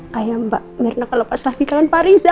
kayak mbak myrna kalau pas lagi kangen pak riza